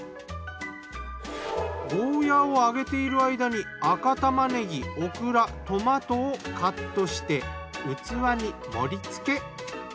ゴーヤーを揚げている間に赤玉ねぎ・オクラ・トマトをカットして器に盛り付け。